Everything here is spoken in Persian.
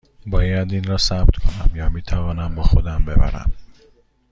باید این را ثبت کنم یا می توانم با خودم ببرم؟